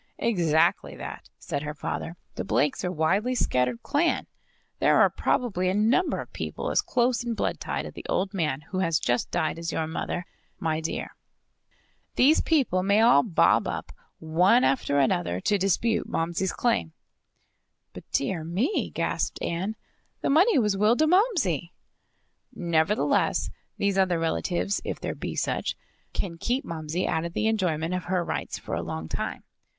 "Exactly that," said her father. "The Blakes are a widely scattered clan. There are probably a number of people as close in blood tie to the old man who has just died as your mother, my dear. These people may all bob up, one after another, to dispute Momsey's claim." "But, dear me!" gasped Nan. "The money was willed to Momsey." "Nevertheless, these other relatives, if there be such can keep Momsey out of the enjoyment of her rights for a long time.